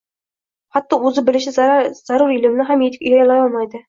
hatto o‘zi bilishi zarur ilmni ham yetuk egallay olmaydi.